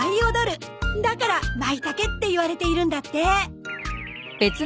だから舞茸っていわれているんだって。